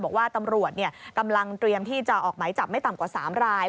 บอกว่าตำรวจกำลังเตรียมที่จะออกหมายจับไม่ต่ำกว่า๓ราย